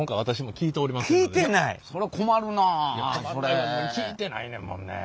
聞いてないねんもんねえ。